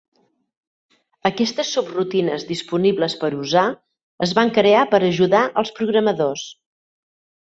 Aquestes subrutines disponibles per usar es van crear per ajudar els programadors.